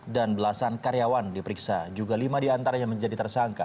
dan belasan karyawan diperiksa juga lima diantaranya menjadi tersangka